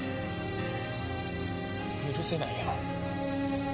許せないよ。